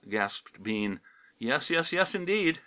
gasped Bean. "Yes, yes, yes, indeed!